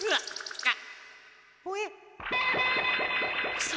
あっ。